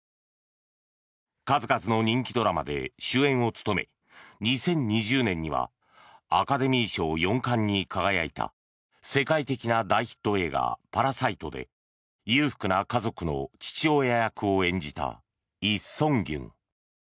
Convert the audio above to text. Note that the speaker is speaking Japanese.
数々の人気ドラマで主演を務め２０２０年にはアカデミー賞４冠に輝いた世界的な大ヒット映画「パラサイト」で裕福な家族の父親役を演じたイ・ソンギュン。